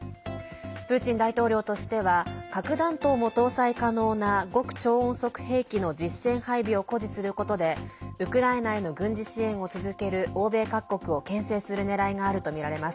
プーチン大統領としては核弾頭も搭載可能な極超音速兵器の実戦配備を誇示することでウクライナへの軍事支援を続ける欧米各国をけん制するねらいがあるとみられます。